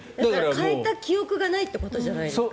替えた記憶がないってことじゃないですか？